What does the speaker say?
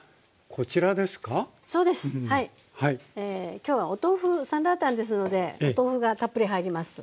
今日はお豆腐サンラータンですのでお豆腐がたっぷり入ります。